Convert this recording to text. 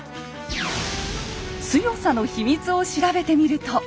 強さの秘密を調べてみると。